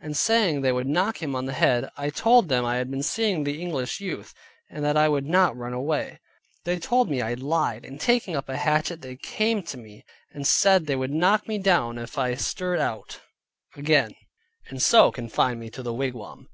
and saying they would knock him on the head. I told them I had been seeing the English youth, and that I would not run away. They told me I lied, and taking up a hatchet, they came to me, and said they would knock me down if I stirred out again, and so confined me to the wigwam.